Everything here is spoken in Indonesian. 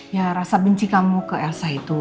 ya rasa benci kamu ke elsa itu